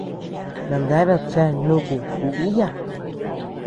Nandeabead chea nuku kuiiyaa.